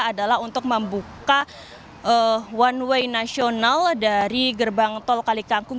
adalah untuk membuka one way nasional dari gerbang tol kali kangkung